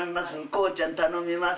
こうちゃん頼みます